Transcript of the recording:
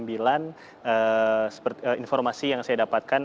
informasi yang saya dapatkan